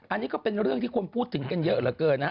อันนี้ก็เป็นเรื่องที่คนพูดถึงกันเยอะเหลือเกินนะฮะ